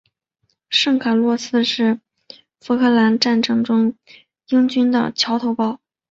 圣卡洛斯是福克兰战争中英军的桥头堡。